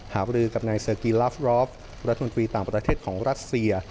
บรือกับนายเซอร์กีลาฟรอฟรัฐมนตรีต่างประเทศของรัสเซีย